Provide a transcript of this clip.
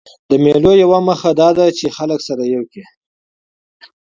د مېلو یوه موخه دا ده، چي خلک سره یو کي.